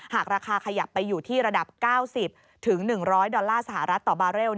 หากราคาขยับไปอยู่ที่ระดับ๙๐๑๐๐ดอลลาร์สหรัฐต่อบาร์เรล